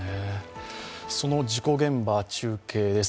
その事故現場、中継です。